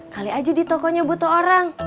kali aja di tokonya butuh orang